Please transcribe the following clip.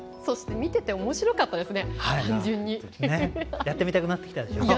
見てておもしろかったですね。